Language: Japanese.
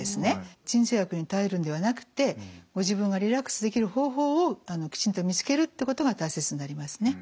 鎮痛薬に頼るのではなくてご自分がリラックスできる方法をきちんと見つけるってことが大切になりますね。